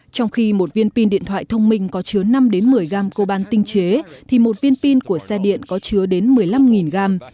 trong khi một viên pin điện thoại thông minh có chứa năm một mươi gam copan tinh chế thì một viên pin của xe điện có chứa đến một mươi năm gram